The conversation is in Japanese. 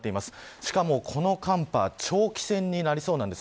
しかもこの寒波長期戦になりそうです。